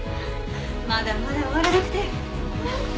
まだまだ終わらなくて。